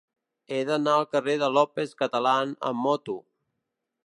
He d'anar al carrer de López Catalán amb moto.